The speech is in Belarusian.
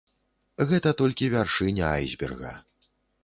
Гэта толькі вяршыня айсберга.